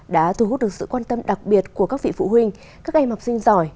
đã thu hút được sự quan tâm đặc biệt của các vị phụ huynh các em học sinh giỏi